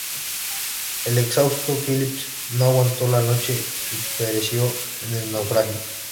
El exhausto Phillips no aguantó la noche y pereció en el naufragio.